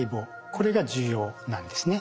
これが重要なんですね。